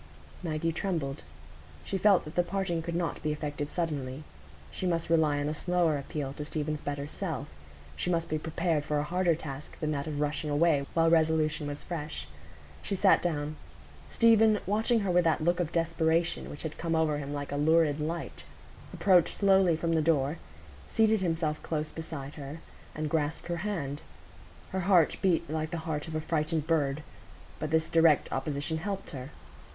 Maggie trembled. She felt that the parting could not be effected suddenly. She must rely on a slower appeal to Stephen's better self; she must be prepared for a harder task than that of rushing away while resolution was fresh. She sat down. Stephen, watching her with that look of desperation which had come over him like a lurid light, approached slowly from the door, seated himself close beside her, and grasped her hand. Her heart beat like the heart of a frightened bird; but this direct opposition helped her.